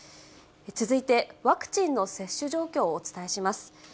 続いてワクチンの接種状況をお伝えします。